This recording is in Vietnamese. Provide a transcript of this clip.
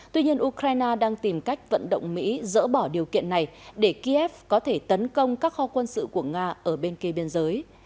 tuy nhiên ukraine đang tìm cách vận động mỹ dỡ bỏ điều kiện này để kiev có thể tấn công các kho quân sự của nga ở bên kia biên giới